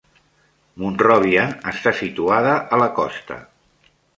Monròvia està situada a la costa.